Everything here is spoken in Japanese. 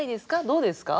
どうですか？